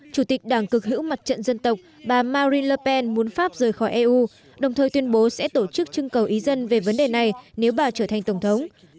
chủ tịch đảng cực hữu mặt trận dân tộc bà marie le pen muốn pháp rời khỏi eu đồng thời tuyên bố sẽ tổ chức chưng cầu ý dân về vấn đề này nếu bà trở thành tổng thống